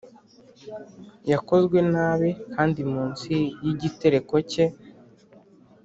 yakozwe nabi, kandi munsi yigitereko cye